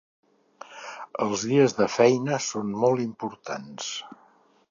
Els dies de feina són molt importants.